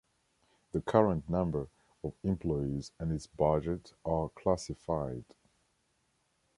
The current number of employees and its budget are classified.